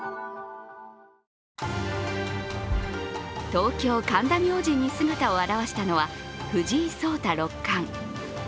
東京・神田明神に姿を現したのは藤井聡太六冠。